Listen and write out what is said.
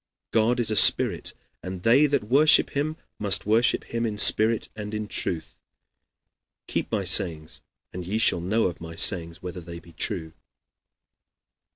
God is a spirit, and they that worship him must worship him in spirit and in truth. Keep my sayings, and ye shall know of my sayings whether they be true."